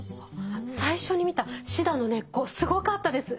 最初に見たシダの根っこすごかったです。